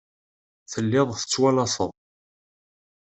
Telliḍ tettwalaseḍ.